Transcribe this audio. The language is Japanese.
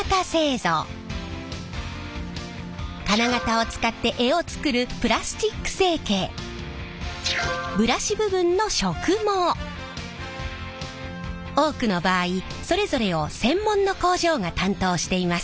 金型を使って柄を作るブラシ部分の多くの場合それぞれを専門の工場が担当しています。